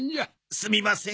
すみません。